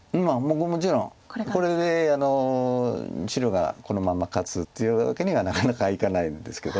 もちろんこれで白がこのまま勝つっていうわけにはなかなかいかないんですけど。